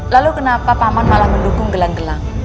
lalu kenapa pak man malah mendukung gelang gelang